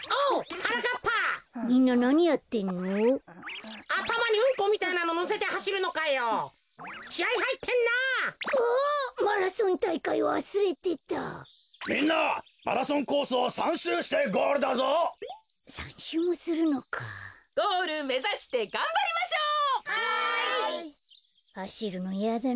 はい！はしるのいやだな。